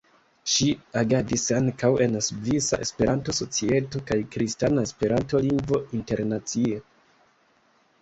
Ŝi agadis ankaŭ en Svisa Esperanto-Societo kaj Kristana Esperanto-Ligo Internacia.